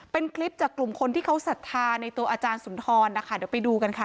เป็นคลิปจากกลุ่มคนที่เขาศรัทธาในตัวอาจารย์สุนทรนะคะเดี๋ยวไปดูกันค่ะ